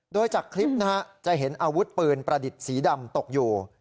โดยจากคลิปนะฮะจะเห็นอาวุธปืนประดิษฐ์สีดำตกอยู่